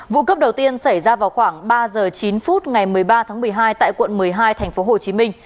vụ cướp đầu tiên xảy ra vào khoảng ba h chín phút ngày một mươi ba tháng một mươi hai tại quận một mươi hai tp hcm